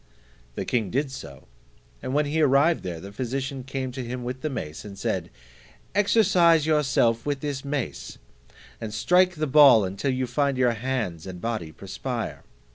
The king did so, and when he arrived there, the physician came to him with the mace, and said, "Exercise yourself with this mace, and strike the ball until you find your hands and body perspire.